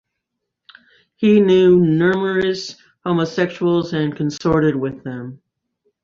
He knew numerous homosexuals and consorted with them.